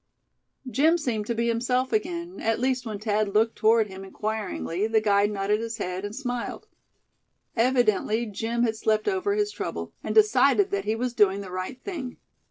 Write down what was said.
Jim seemed to be himself again; at least when Thad looked toward him inquiringly, the guide nodded his head, and smiled. Evidently Jim had slept over his trouble, and decided that he was doing the right thing.